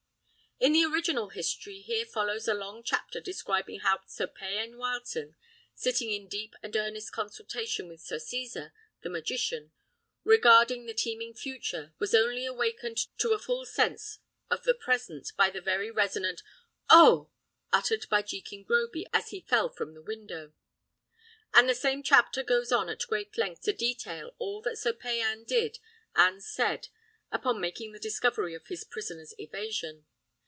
In the original history here follows a long chapter describing how Sir Payan Wileton, sitting in deep and earnest consultation with Sir Cesar, the magician, regarding the teeming future, was only awakened to a full sense of the present by the very resonant "Oh!" uttered by Jekin Groby as he fell from the window. And the same chapter goes on at great length to detail all that Sir Payan did and said upon making the discovery of his prisoners' evasion.